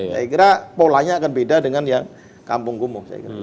saya kira polanya akan beda dengan yang kampung kumuh